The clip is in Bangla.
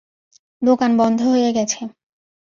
দোকান বন্ধ হয়ে গেছে।